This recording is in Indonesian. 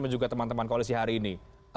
dan juga teman teman koalisi hari ini